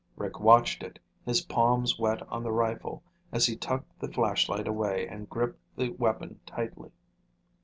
Rick watched it, his palms wet on the rifle as he tucked the flashlight away and gripped the weapon tightly.